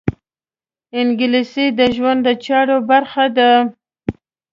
انګلیسي د ژوند د چارو برخه ده